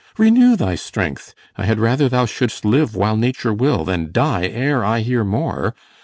Renew thy strength; I had rather thou shouldst live while nature will Than die ere I hear more.